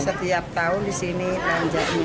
setiap tahun di sini belanja